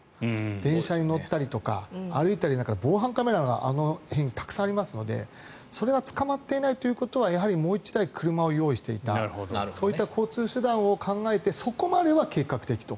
電車に乗ったりとか歩いたり防犯カメラがあの辺、たくさんありますのでそれが捕まっていないということはもう１台車を用意していたそういった交通手段を考えてそこまでは計画的と。